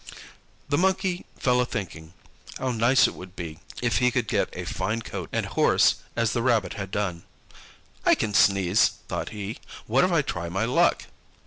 The Monkey fell a thinking how nice it would be if he could get a fine coat and horse as the Rabbit had done. "I can sneeze," thought he; "what if I try my luck?"